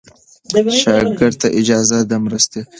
شاګرد ته اجازه ده مرسته وغواړي.